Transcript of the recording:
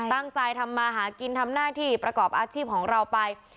ตั้งใจทำมาหากินทำหน้าที่ประกอบอาชีพของเราไป